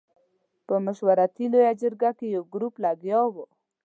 په مشورتي لویه جرګه کې یو ګروپ لګیا وو.